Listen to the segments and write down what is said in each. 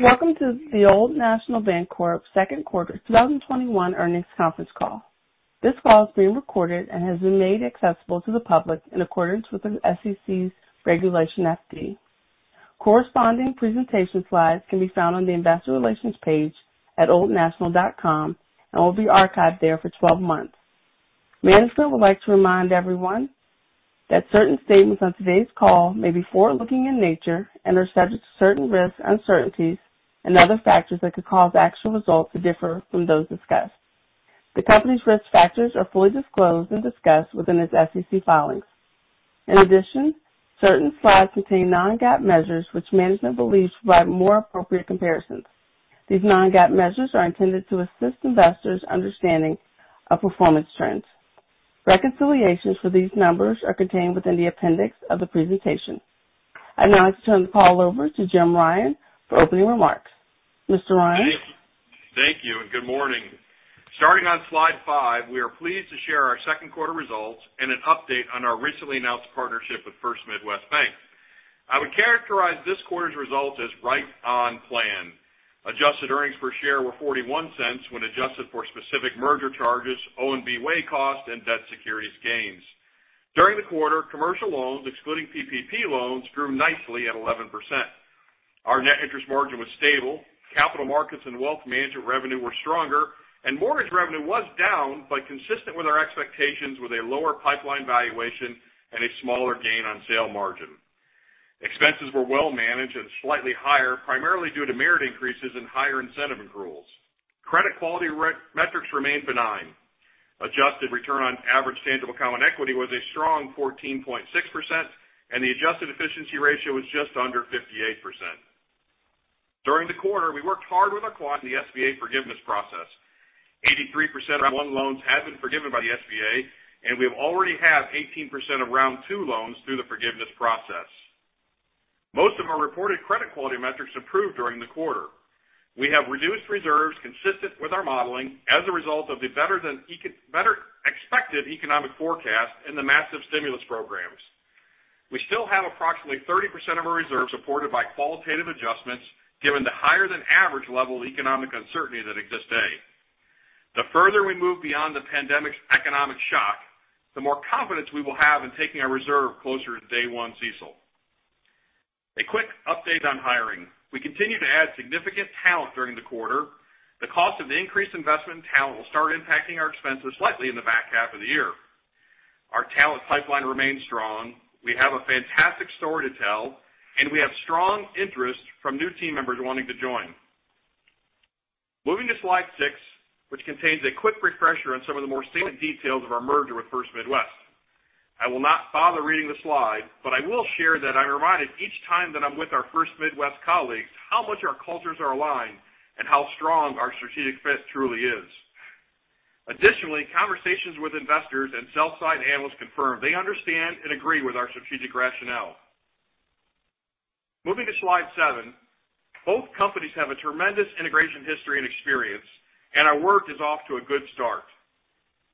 Welcome to the Old National Bancorp second quarter 2021 earnings conference call. This call is being recorded and has been made accessible to the public in accordance with the SEC's Regulation FD. Corresponding presentation slides can be found on the investor relations page at oldnational.com and will be archived there for 12 months. Management would like to remind everyone that certain statements on today's call may be forward-looking in nature and are subject to certain risks, uncertainties, and other factors that could cause actual results to differ from those discussed. The company's risk factors are fully disclosed and discussed within its SEC filings. In addition, certain slides contain non-GAAP measures which management believes provide more appropriate comparisons. These non-GAAP measures are intended to assist investors understanding of performance trends. Reconciliations for these numbers are contained within the appendix of the presentation. I'd now like to turn the call over to Jim Ryan for opening remarks. Mr. Ryan? Thank you, and good morning. Starting on slide five, we are pleased to share our second quarter results and an update on our recently announced partnership with First Midwest Bank. I would characterize this quarter's result as right on plan. Adjusted earnings per share were $0.41 when adjusted for specific merger charges, The ONB Way cost, and debt securities gains. During the quarter, commercial loans, excluding PPP loans, grew nicely at 11%. Our net interest margin was stable, capital markets and wealth management revenue were stronger, and mortgage revenue was down but consistent with our expectations with a lower pipeline valuation and a smaller gain on sale margin. Expenses were well managed and slightly higher, primarily due to merit increases and higher incentive accruals. Credit quality metrics remained benign. Adjusted return on average tangible common equity was a strong 14.6%, and the adjusted efficiency ratio was just under 58%. During the quarter, we worked hard with our clients in the SBA forgiveness process. 83% of round one loans have been forgiven by the SBA, and we have already had 18% of round two loans through the forgiveness process. Most of our reported credit quality metrics improved during the quarter. We have reduced reserves consistent with our modeling as a result of the better-than-expected economic forecast and the massive stimulus programs. We still have approximately 30% of our reserves supported by qualitative adjustments, given the higher than average level of economic uncertainty that exists today. The further we move beyond the pandemic's economic shock, the more confidence we will have in taking our reserve closer to day one CECL. A quick update on hiring. We continued to add significant talent during the quarter. The cost of the increased investment in talent will start impacting our expenses slightly in the back half of the year. Our talent pipeline remains strong. We have a fantastic story to tell, and we have strong interest from new team members wanting to join. Moving to slide six, which contains a quick refresher on some of the more salient details of our merger with First Midwest. I will not bother reading the slide, but I will share that I'm reminded each time that I'm with our First Midwest colleagues how much our cultures are aligned and how strong our strategic fit truly is. Additionally, conversations with investors and sell-side analysts confirm they understand and agree with our strategic rationale. Moving to slide seven. Both companies have a tremendous integration history and experience, and our work is off to a good start.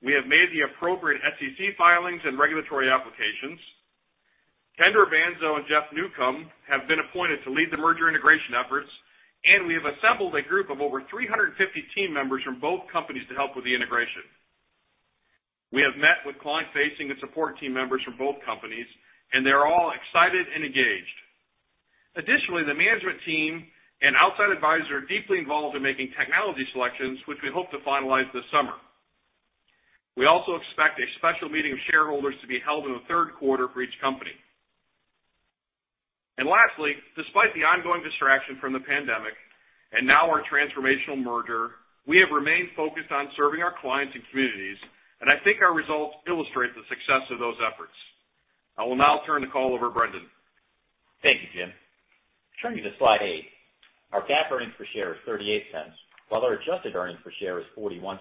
We have made the appropriate SEC filings and regulatory applications. Kendra Vanzo and Jeff Newcom have been appointed to lead the merger integration efforts, and we have assembled a group of over 350 team members from both companies to help with the integration. We have met with client-facing and support team members from both companies, and they're all excited and engaged. Additionally, the management team and outside advisor are deeply involved in making technology selections, which we hope to finalize this summer. We also expect a special meeting of shareholders to be held in the third quarter for each company. Lastly, despite the ongoing distraction from the pandemic and now our transformational merger, we have remained focused on serving our clients and communities, and I think our results illustrate the success of those efforts. I will now turn the call over Brendon. Thank you, Jim. Turning to slide eight. Our GAAP earnings per share is $0.38, while our adjusted earnings per share is $0.41.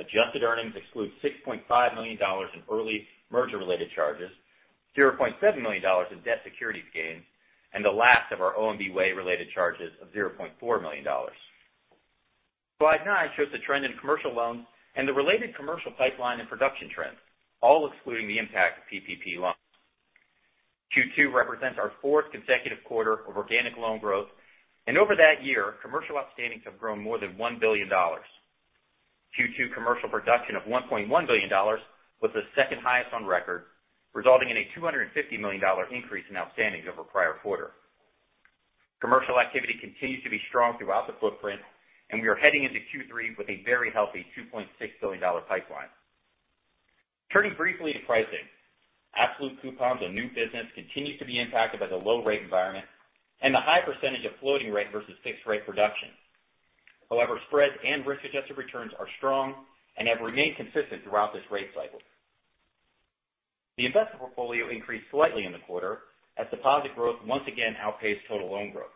Adjusted earnings exclude $6.5 million in early merger-related charges, $0.7 million in debt securities gains, and the last of our The ONB Way related charges of $0.4 million. Slide nine shows the trend in commercial loans and the related commercial pipeline and production trends, all excluding the impact of PPP loans. Q2 represents our fourth consecutive quarter of organic loan growth, and over that year, commercial outstandings have grown more than $1 billion. Q2 commercial production of $1.1 billion was the second highest on record, resulting in a $250 million increase in outstandings over prior quarter. Commercial activity continues to be strong throughout the footprint, and we are heading into Q3 with a very healthy $2.6 billion pipeline. Turning briefly to pricing. Absolute coupons on new business continues to be impacted by the low rate environment and the high percentage of floating rate versus fixed rate production. However, spreads and risk-adjusted returns are strong and have remained consistent throughout this rate cycle. The investment portfolio increased slightly in the quarter as deposit growth once again outpaced total loan growth.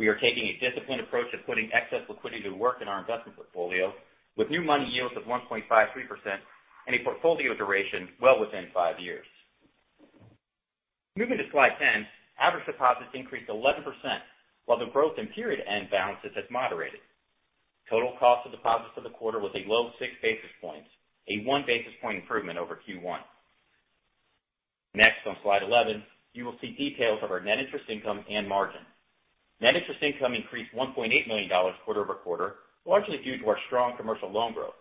We are taking a disciplined approach of putting excess liquidity to work in our investment portfolio with new money yields of 1.53% and a portfolio duration well within five years. Moving to slide 10, average deposits increased 11%, while the growth in period-end balances has moderated. Total cost of deposits for the quarter was a low 6 basis points, a 1 basis point improvement over Q1. Next, on slide 11, you will see details of our net interest income and margin. Net interest income increased $1.8 million quarter-over-quarter, largely due to our strong commercial loan growth.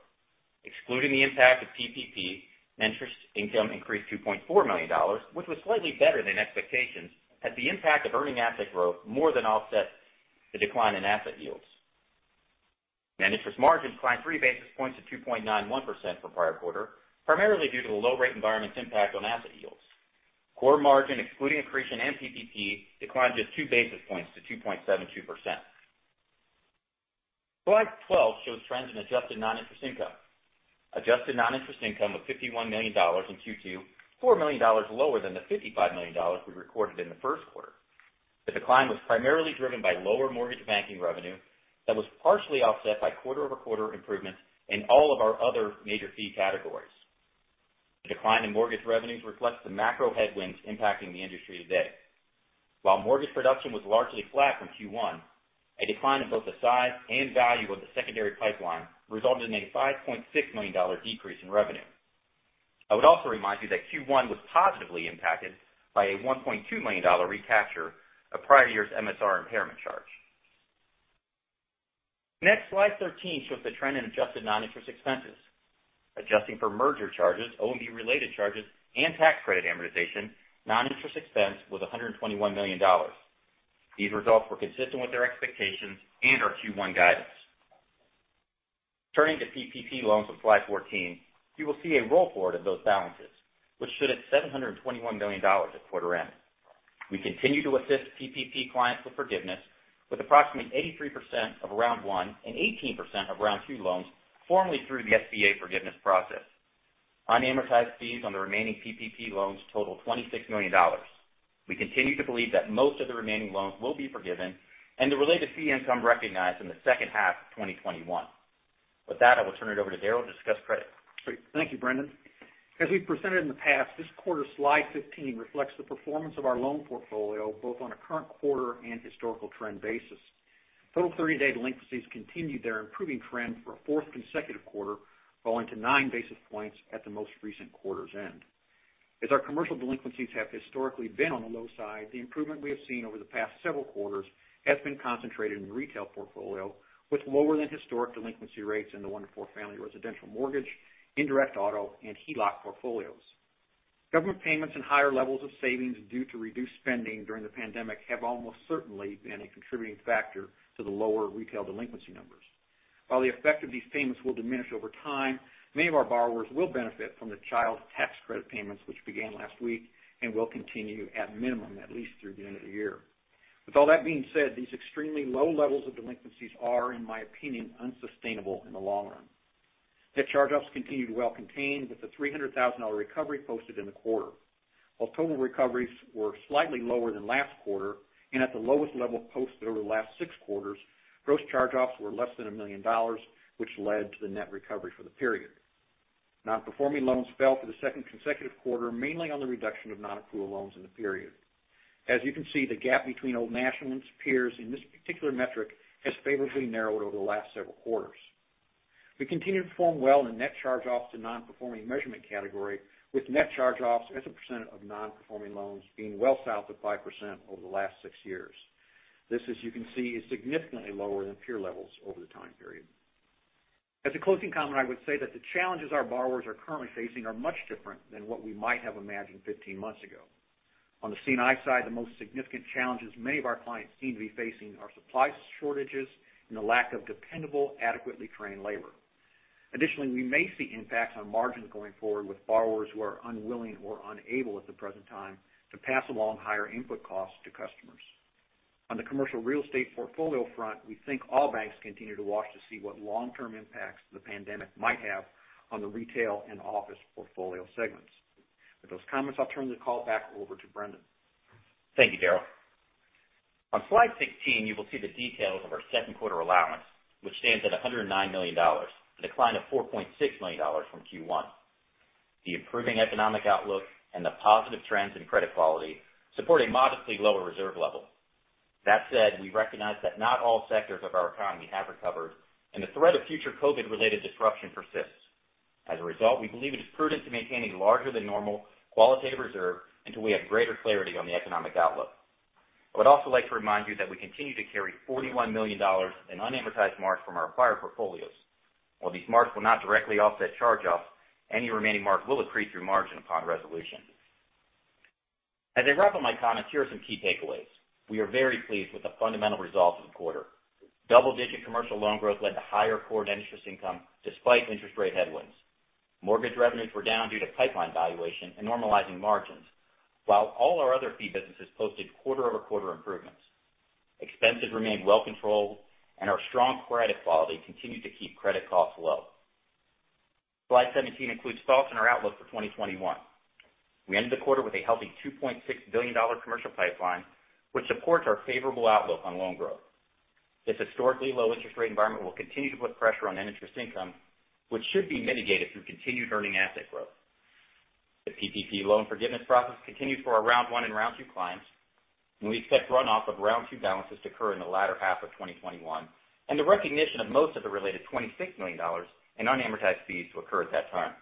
Excluding the impact of PPP, net interest income increased $2.4 million, which was slightly better than expectations, as the impact of earning asset growth more than offset the decline in asset yields. Net interest margin declined 3 basis points to 2.91% from prior quarter, primarily due to the low rate environment's impact on asset yields. Core margin, excluding accretion and PPP, declined just 2 basis points to 2.72%. Slide 12 shows trends in adjusted non-interest income. Adjusted non-interest income was $51 million in Q2, $4 million lower than the $55 million we recorded in the first quarter. The decline was primarily driven by lower mortgage banking revenue that was partially offset by quarter-over-quarter improvements in all of our other major fee categories. The decline in mortgage revenues reflects the macro headwinds impacting the industry today. While mortgage production was largely flat from Q1, a decline in both the size and value of the secondary pipeline resulted in a $5.6 million decrease in revenue. I would also remind you that Q1 was positively impacted by a $1.2 million recapture of prior year's MSR impairment charge. Next, slide 13 shows the trend in adjusted non-interest expenses. Adjusting for merger charges, ONB related charges, and tax credit amortization, non-interest expense was $121 million. These results were consistent with their expectations and our Q1 guidance. Turning to PPP loans on slide 14, you will see a roll forward of those balances, which stood at $721 million at quarter end. We continue to assist PPP clients with forgiveness with approximately 83% of round 1 and 18% of round 2 loans formally through the SBA forgiveness process. Unamortized fees on the remaining PPP loans total $26 million. We continue to believe that most of the remaining loans will be forgiven and the related fee income recognized in the second half of 2021. With that, I will turn it over to Daryl to discuss credit. Great. Thank you, Brendon. As we've presented in the past, this quarter's slide 15 reflects the performance of our loan portfolio both on a current quarter and historical trend basis. Total 30-day delinquencies continued their improving trend for a fourth consecutive quarter, falling to 9 basis points at the most recent quarter's end. As our commercial delinquencies have historically been on the low side, the improvement we have seen over the past several quarters has been concentrated in the retail portfolio, with lower than historic delinquency rates in the 1-4 family residential mortgage, indirect auto, and HELOC portfolios. Government payments and higher levels of savings due to reduced spending during the pandemic have almost certainly been a contributing factor to the lower retail delinquency numbers. While the effect of these payments will diminish over time, many of our borrowers will benefit from the child tax credit payments, which began last week and will continue at minimum at least through the end of the year. With all that being said, these extremely low levels of delinquencies are, in my opinion, unsustainable in the long run. Net charge-offs continue to be well contained with the $300,000 recovery posted in the quarter. While total recoveries were slightly lower than last quarter and at the lowest level posted over the last six quarters, gross charge-offs were less than $1 million, which led to the net recovery for the period. Non-performing loans fell for the second consecutive quarter, mainly on the reduction of non-accrual loans in the period. As you can see, the gap between Old National and its peers in this particular metric has favorably narrowed over the last several quarters. We continue to perform well in net charge-offs to non-performing measurement category, with net charge-offs as a percent of non-performing loans being well south of 5% over the last six years. This, as you can see, is significantly lower than peer levels over the time period. As a closing comment, I would say that the challenges our borrowers are currently facing are much different than what we might have imagined 15 months ago. On the C&I side, the most significant challenges many of our clients seem to be facing are supply shortages and a lack of dependable, adequately trained labor. Additionally, we may see impacts on margins going forward with borrowers who are unwilling or unable at the present time to pass along higher input costs to customers. On the commercial real estate portfolio front, we think all banks continue to watch to see what long-term impacts the pandemic might have on the retail and office portfolio segments. With those comments, I'll turn the call back over to Brendon. Thank you, Daryl. On slide 16, you will see the details of our second quarter allowance, which stands at $109 million, a decline of $4.6 million from Q1. The improving economic outlook and the positive trends in credit quality support a modestly lower reserve level. That said, we recognize that not all sectors of our economy have recovered, and the threat of future COVID-related disruption persists. As a result, we believe it is prudent to maintain a larger than normal qualitative reserve until we have greater clarity on the economic outlook. I would also like to remind you that we continue to carry $41 million in unamortized marks from our acquired portfolios. While these marks will not directly offset charge-offs, any remaining mark will accrete through margin upon resolution. As I wrap up my comments, here are some key takeaways. We are very pleased with the fundamental results of the quarter. Double-digit commercial loan growth led to higher core net interest income despite interest rate headwinds. Mortgage revenues were down due to pipeline valuation and normalizing margins. While all our other fee businesses posted quarter-over-quarter improvements. Expenses remained well controlled and our strong credit quality continued to keep credit costs low. Slide 17 includes thoughts on our outlook for 2021. We ended the quarter with a healthy $2.6 billion commercial pipeline, which supports our favorable outlook on loan growth. This historically low interest rate environment will continue to put pressure on net interest income, which should be mitigated through continued earning asset growth. The PPP loan forgiveness process continues for our round 1 and round 2 clients, and we expect runoff of round 2 balances to occur in the latter half of 2021, and the recognition of most of the related $26 million in unamortized fees to occur at that time.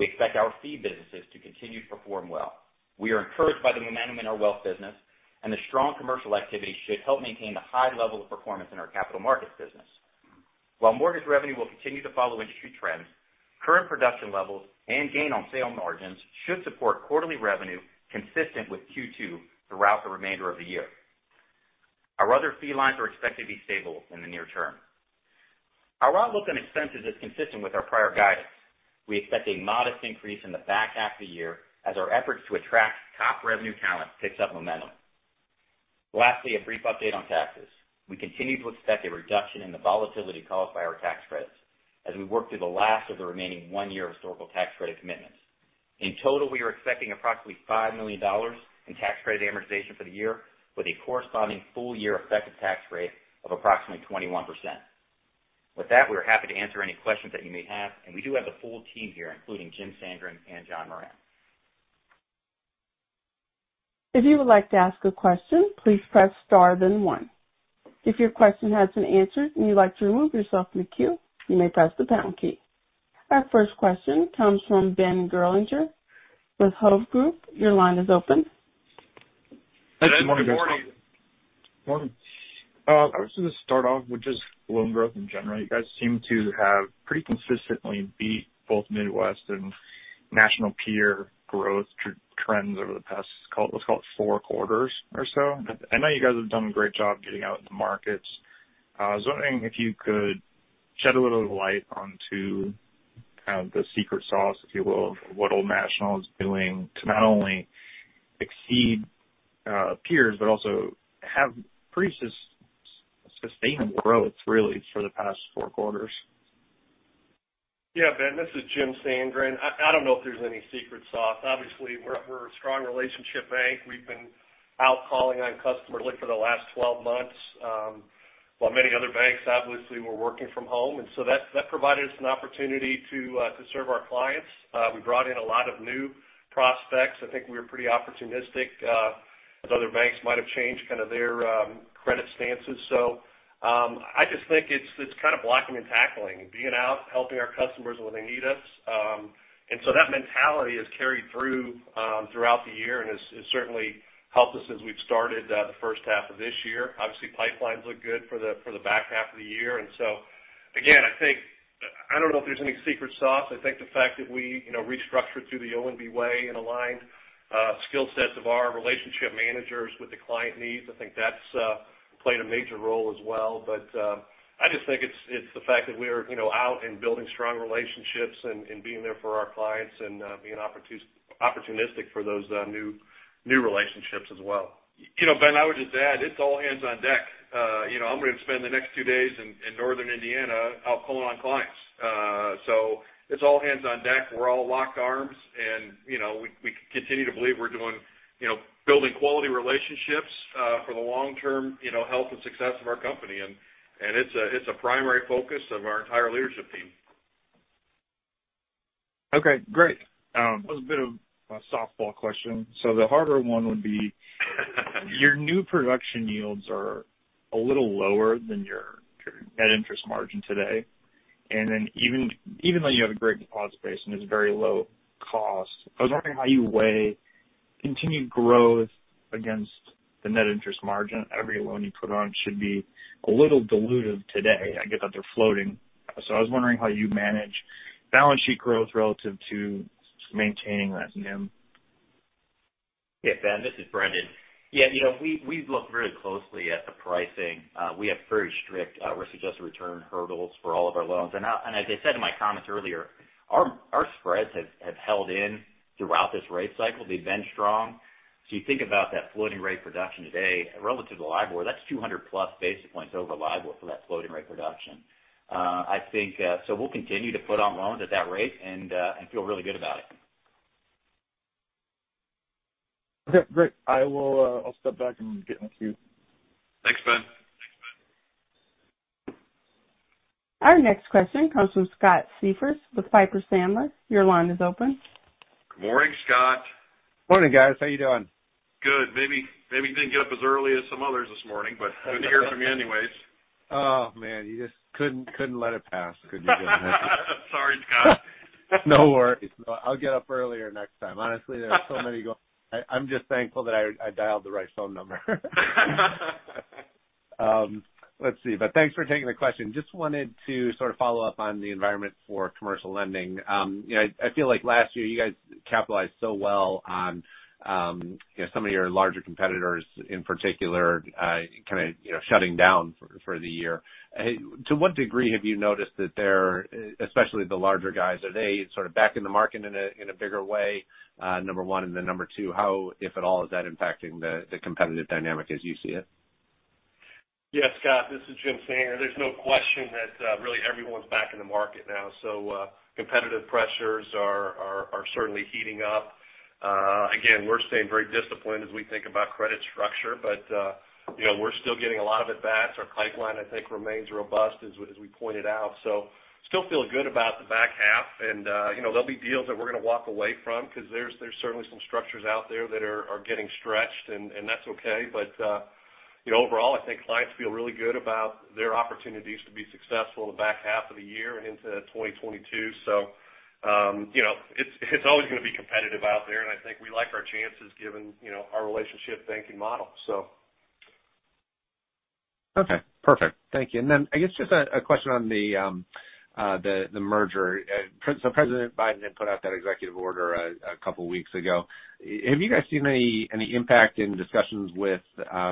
We expect our fee businesses to continue to perform well. We are encouraged by the momentum in our wealth business, the strong commercial activity should help maintain the high level of performance in our capital markets business. While mortgage revenue will continue to follow industry trends, current production levels and gain on sale margins should support quarterly revenue consistent with Q2 throughout the remainder of the year. Our other fee lines are expected to be stable in the near term. Our outlook on expenses is consistent with our prior guidance. We expect a modest increase in the back half of the year as our efforts to attract top revenue talent picks up momentum. Lastly, a brief update on taxes. We continue to expect a reduction in the volatility caused by our tax credits as we work through the last of the remaining one-year historical tax credit commitments. In total, we are expecting approximately $5 million in tax credit amortization for the year, with a corresponding full year effective tax rate of approximately 21%. With that, we are happy to answer any questions that you may have, and we do have the full team here, including Jim Sandgren and John Moran. Our first question comes from Ben Gerlinger with Hovde Group. Your line is open. Good morning, guys. Good morning. Morning. I was going to start off with just loan growth in general. You guys seem to have pretty consistently beat both Midwest and national peer growth trends over the past, let's call it, four quarters or so. I know you guys have done a great job getting out in the markets. I was wondering if you could shed a little light onto kind of the secret sauce, if you will, of what Old National is doing to not only exceed peers, but also have pretty sustainable growth, really, for the past four quarters. Yeah, Ben, this is Jim Sandgren. I don't know if there's any secret sauce. Obviously, we're a strong relationship bank. We've been out calling on customers, look, for the last 12 months. While many other banks, obviously, were working from home. That provided us an opportunity to serve our clients. We brought in a lot of new prospects. I think we were pretty opportunistic, as other banks might have changed kind of their credit stances. I just think it's kind of blocking and tackling. Being out, helping our customers when they need us. That mentality has carried through throughout the year and has certainly helped us as we've started the first half of this year. Obviously, pipelines look good for the back half of the year. Again, I think, I don't know if there's any secret sauce. I think the fact that we restructured through The ONB Way and aligned skill sets of our relationship managers with the client needs, I think that's played a major role as well. I just think it's the fact that we are out and building strong relationships and being there for our clients and being opportunistic for those new relationships as well. You know, Ben, I would just add, it's all hands on deck. I'm going to spend the next two days in Northern Indiana out calling on clients. It's all hands on deck. We're all locked arms and we continue to believe we're building quality relationships for the long-term health and success of our company. It's a primary focus of our entire leadership team. Okay, great. That was a bit of a softball question. The harder one would be. Your new production yields are a little lower than your net interest margin today. Even though you have a great deposit base and it's very low cost, I was wondering how you weigh continued growth against the net interest margin. Every loan you put on should be a little diluted today. I get that they're floating. I was wondering how you manage balance sheet growth relative to maintaining that NIM. Yeah, Ben, this is Brendon. Yeah, we look very closely at the pricing. We have very strict risk-adjusted return hurdles for all of our loans. As I said in my comments earlier, our spreads have held in throughout this rate cycle. They've been strong. You think about that floating rate production today relative to LIBOR, that's +200 basis points over LIBOR for that floating rate production. We'll continue to put on loans at that rate and feel really good about it. Okay, great. I'll step back and get in the queue. Thanks, Ben. Our next question comes from Scott Siefers with Piper Sandler. Your line is open. Good morning, Scott. Morning, guys. How you doing? Good. Maybe didn't get up as early as some others this morning, but good to hear from you anyways. Oh, man, you just couldn't let it pass, could you? Sorry, Scott. No worries. I'll get up earlier next time. Honestly, there are so many. I'm just thankful that I dialed the right phone number. Let's see. Thanks for taking the question. Just wanted to sort of follow up on the environment for commercial lending. I feel like last year you guys capitalized so well on some of your larger competitors in particular kind of shutting down for the year. To what degree have you noticed that they're, especially the larger guys, are they sort of back in the market in a bigger way, number one? Number two, how, if at all, is that impacting the competitive dynamic as you see it? Yeah, Scott, this is Jim Sandgren. There's no question that really everyone's back in the market now. Competitive pressures are certainly heating up. We're staying very disciplined as we think about credit structure, but we're still getting a lot of it back. Our pipeline, I think, remains robust as we pointed out. Still feel good about the back half and there'll be deals that we're going to walk away from because there's certainly some structures out there that are getting stretched and that's okay. Overall, I think clients feel really good about their opportunities to be successful in the back half of the year and into 2022. It's always going to be competitive out there, and I think we like our chances given our relationship banking model. Okay, perfect. Thank you. I guess just a question on the merger. President Biden did put out that executive order two weeks ago. Have you guys seen any impact in discussions with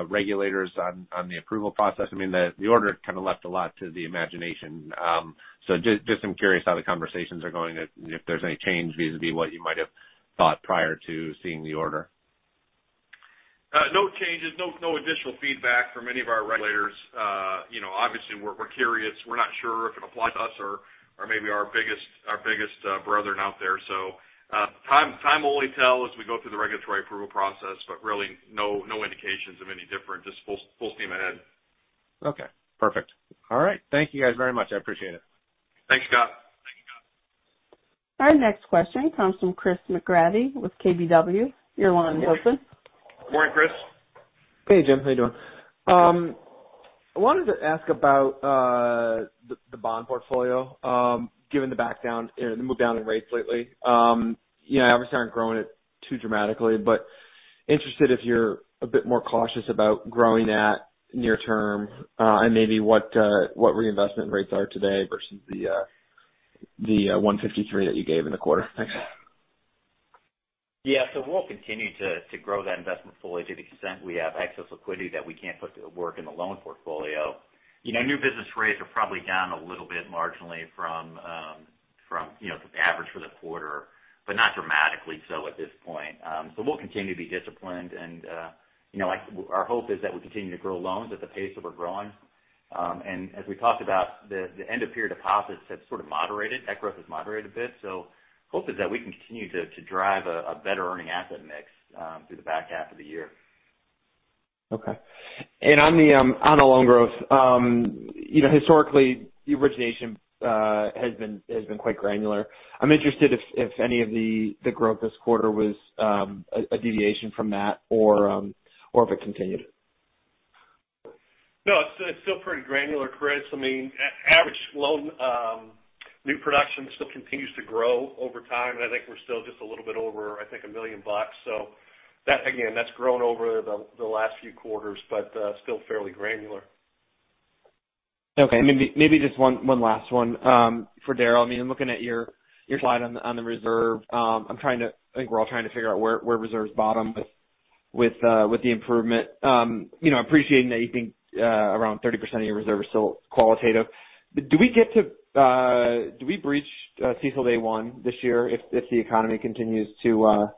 regulators on the approval process? The order kind of left a lot to the imagination. I'm curious how the conversations are going and if there's any change vis-a-vis what you might have thought prior to seeing the order. No changes. No additional feedback from any of our regulators. Obviously, we're curious. We're not sure if it applies to us or maybe our biggest brethren out there. Time will only tell as we go through the regulatory approval process, but really no indications of any different, just full steam ahead. Okay, perfect. All right. Thank you guys very much. I appreciate it. Thanks, Scott. Our next question comes from Chris McGratty with KBW. Your line is open. Morning, Chris. Hey, Jim. How you doing? I wanted to ask about the bond portfolio, given the move down in rates lately. Obviously, aren't growing it too dramatically, but interested if you're a bit more cautious about growing that near term, and maybe what reinvestment rates are today versus the 1.53% yield that you gave in the quarter. Thanks. We'll continue to grow that investment portfolio to the extent we have excess liquidity that we can't put to work in the loan portfolio. New business rates are probably down a little bit marginally from the average for the quarter, but not dramatically so at this point. We'll continue to be disciplined and our hope is that we continue to grow loans at the pace that we're growing. As we talked about, the end of period deposits have sort of moderated. That growth has moderated a bit. Hope is that we can continue to drive a better earning asset mix through the back half of the year. Okay. On the loan growth, historically, the origination has been quite granular. I'm interested if any of the growth this quarter was a deviation from that or if it continued. It's still pretty granular, Chris. Average loan new production still continues to grow over time, and I think we're still just a little bit over, I think, $1 million+. Again, that's grown over the last few quarters, but still fairly granular. Okay. Maybe just one last one for Daryl. I'm looking at your slide on the reserve. I think we're all trying to figure out where reserves bottom with the improvement. Appreciating that you think around 30% of your reserve is still qualitative. Do we breach CECL day one this year if the economy continues to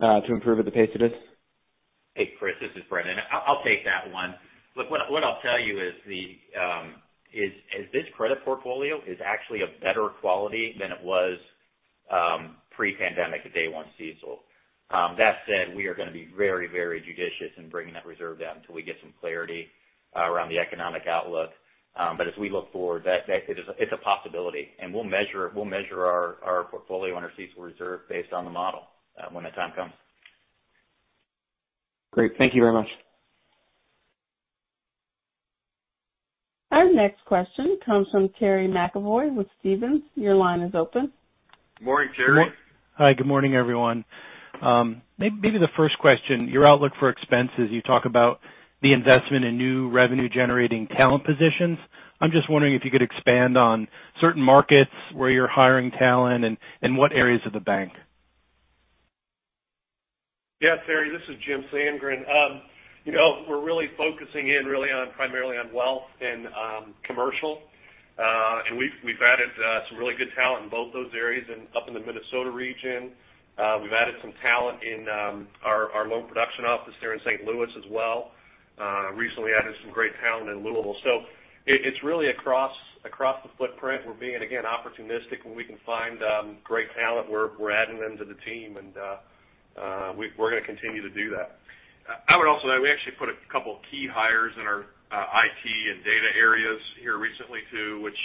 improve at the pace it is? Hey, Chris, this is Brendon. I'll take that one. Look, what I'll tell you is this credit portfolio is actually a better quality than it was pre-pandemic at day one CECL. That said, we are going to be very, very judicious in bringing that reserve down until we get some clarity around the economic outlook. As we look forward, it's a possibility, and we'll measure our portfolio under CECL reserve based on the model when the time comes. Great. Thank you very much. Our next question comes from Terry McEvoy with Stephens. Your line is open. Morning, Terry. Hi, good morning, everyone. Maybe the first question, your outlook for expenses, you talk about the investment in new revenue-generating talent positions. I'm just wondering if you could expand on certain markets where you're hiring talent and what areas of the bank. Yeah, Terry. This is Jim Sandgren. We're really focusing in really primarily on wealth and commercial. We've added some really good talent in both those areas up in the Minnesota region. We've added some talent in our loan production office here in St. Louis as well. Recently added some great talent in Louisville. It's really across the footprint. We're being, again, opportunistic when we can find great talent. We're adding them to the team and we're going to continue to do that. I would also add, we actually put a couple of key hires in our IT and data areas here recently, too, which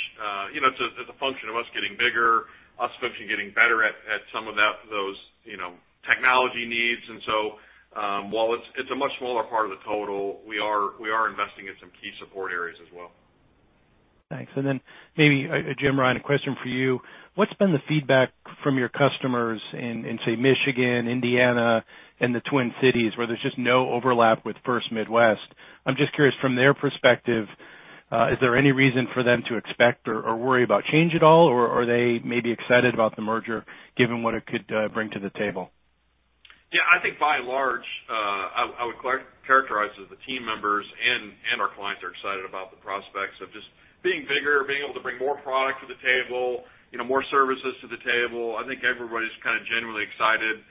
is a function of us getting bigger, us getting better at some of those technology needs. While it's a much smaller part of the total, we are investing in some key support areas as well. Thanks. Then maybe, Jim Ryan, a question for you. What's been the feedback from your customers in, say, Michigan, Indiana, and the Twin Cities, where there's just no overlap with First Midwest? I'm just curious from their perspective, is there any reason for them to expect or worry about change at all, or are they maybe excited about the merger given what it could bring to the table? Yeah, I think by and large, I would characterize that the team members and our clients are excited about the prospects of just being bigger, being able to bring more product to the table, more services to the table. I think everybody's kind of genuinely excited.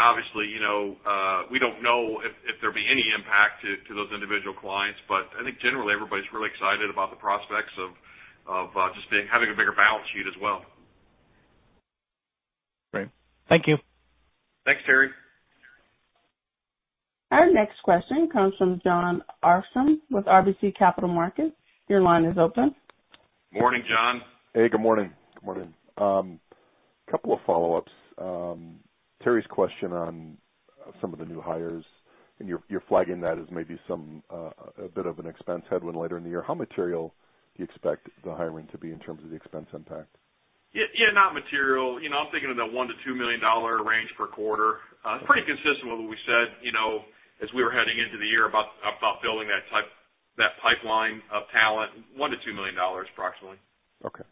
Obviously, we don't know if there'll be any impact to those individual clients. I think generally everybody's really excited about the prospects of just having a bigger balance sheet as well. Great. Thank you. Thanks, Terry. Our next question comes from Jon Arfstrom with RBC Capital Markets. Your line is open. Morning, Jon. Hey, good morning. Couple of follow-ups. Terry's question on some of the new hires and you're flagging that as maybe a bit of an expense headwind later in the year. How material do you expect the hiring to be in terms of the expense impact? Yeah, not material. I'm thinking in the $1 million-$2 million range per quarter. Pretty consistent with what we said as we were heading into the year about building that pipeline of talent, $1 million-$2 million approximately. Okay.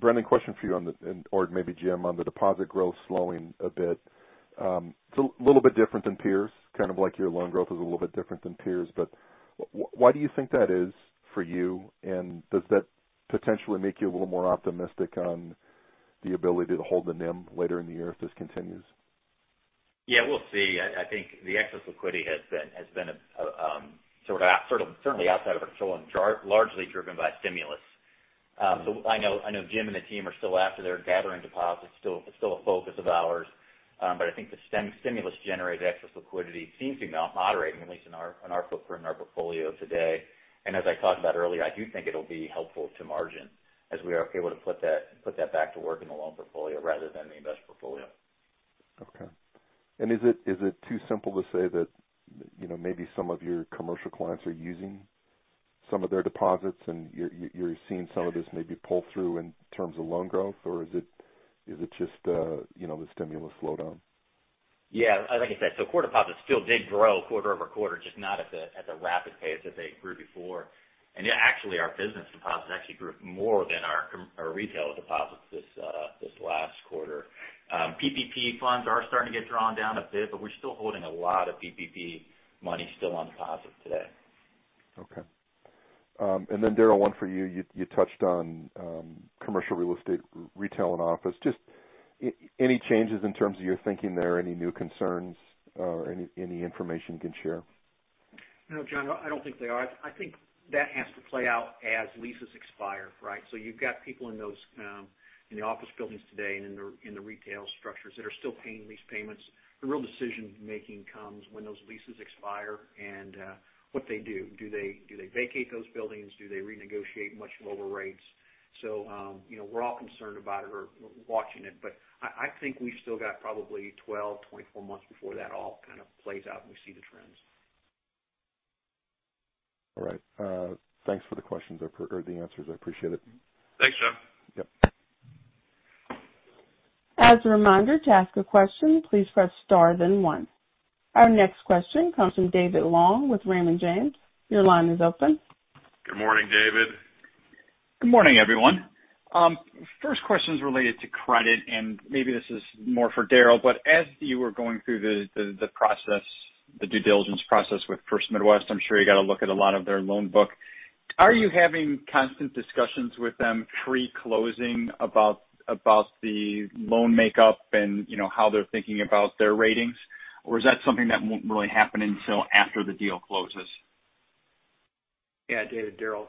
Brendon, question for you on or maybe Jim, on the deposit growth slowing a bit. It's a little bit different than peers. Kind of like your loan growth is a little bit different than peers, why do you think that is for you? Does that potentially make you a little more optimistic on the ability to hold the NIM later in the year if this continues? Yeah, we'll see. I think the excess liquidity has been certainly outside of our control and largely driven by stimulus. I know Jim and the team are still out there gathering deposits, still a focus of ours. I think the stimulus-generated excess liquidity seems to be moderating, at least in our footprint and our portfolio today. As I talked about earlier, I do think it'll be helpful to margin as we are able to put that back to work in the loan portfolio rather than the investment portfolio. Okay. Is it too simple to say that maybe some of your commercial clients are using some of their deposits and you're seeing some of this maybe pull through in terms of loan growth? Is it just the stimulus slowdown? Yeah. Like I said, core deposits still did grow quarter-over-quarter, just not at the rapid pace that they grew before. Yeah, actually, our business deposits actually grew more than our retail deposits this last quarter. PPP funds are starting to get drawn down a bit, but we're still holding a lot of PPP money still on deposit today. Okay. Daryl, one for you. You touched on commercial real estate, retail, and office. Just any changes in terms of your thinking there? Any new concerns or any information you can share? No, Jon, I don't think there are. I think that has to play out as leases expire, right? You've got people in the office buildings today and in the retail structures that are still paying lease payments. The real decision-making comes when those leases expire and what they do. Do they vacate those buildings? Do they renegotiate much lower rates? We're all concerned about it or watching it, but I think we've still got probably 12, 24 months before that all kind of plays out and we see the trends. All right. Thanks for the answers. I appreciate it. Thanks, Jon. Yep. As a reminder, to ask a question, please press star then one. Our next question comes from David Long with Raymond James. Your line is open. Good morning, David. Good morning, everyone. First question's related to credit, and maybe this is more for Daryl, but as you were going through the due diligence process with First Midwest, I'm sure you got a look at a lot of their loan book. Are you having constant discussions with them pre-closing about the loan makeup and how they're thinking about their ratings? Is that something that won't really happen until after the deal closes? Yeah. David, Daryl.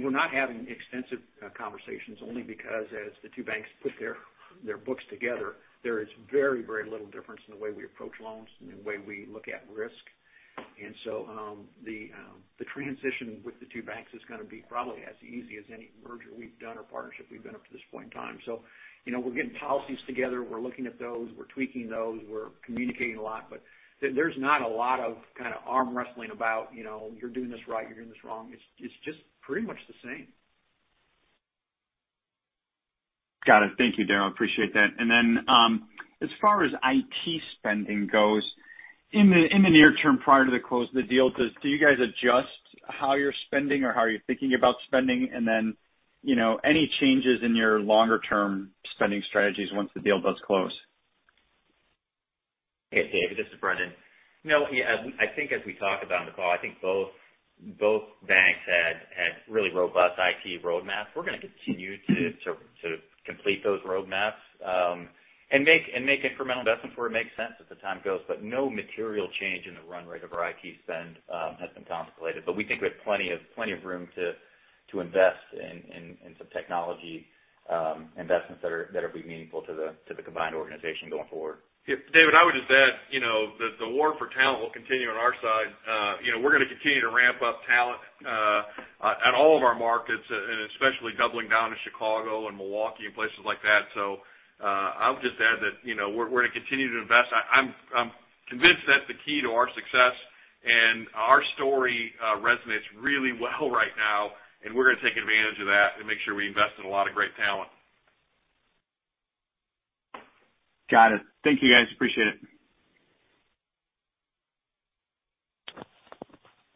We're not having extensive conversations only because as the two banks put their books together, there is very little difference in the way we approach loans and the way we look at risk. The transition with the two banks is going to be probably as easy as any merger we've done or partnership we've done up to this point in time. We're getting policies together. We're looking at those. We're tweaking those. We're communicating a lot, but there's not a lot of kind of arm wrestling about, you're doing this right, you're doing this wrong. It's just pretty much the same. Got it. Thank you, Daryl. Appreciate that. As far as IT spending goes, in the near term prior to the close of the deal, do you guys adjust how you're spending or how you're thinking about spending? Any changes in your longer-term spending strategies once the deal does close? Hey, David, this is Brendon. I think as we talk about on the call, I think both banks had really robust IT roadmaps. We're going to continue to complete those roadmaps and make incremental investments where it makes sense as the time goes. No material change in the run rate of our IT spend has been contemplated. We think we have plenty of room to invest in some technology investments that'll be meaningful to the combined organization going forward. David, I would just add, the war for talent will continue on our side. We're going to continue to ramp up talent at all of our markets, and especially doubling down in Chicago and Milwaukee and places like that. I would just add that we're going to continue to invest. I'm convinced that's the key to our success. Our story resonates really well right now, and we're going to take advantage of that and make sure we invest in a lot of great talent. Got it. Thank you, guys. Appreciate it.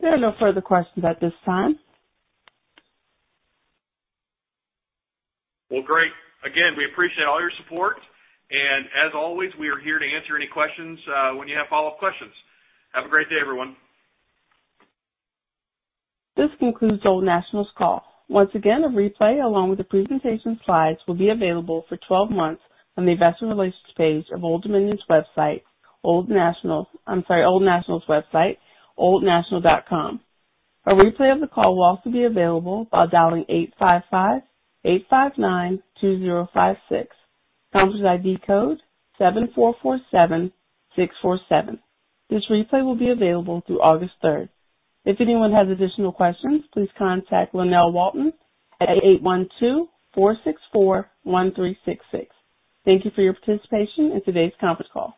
There are no further questions at this time. Well, great. Again, we appreciate all your support. As always, we are here to answer any questions when you have follow-up questions. Have a great day, everyone. This concludes Old National's call. Once again, a replay along with the presentation slides will be available for 12 months from the investor relations page of Old National's website, oldnational.com. A replay of the call will also be available by dialing 855-859-2056. Conference ID code 7447647. This replay will be available through August third. If anyone has additional questions, please contact Lynell Walton at 812-464-1366. Thank you for your participation in today's conference call.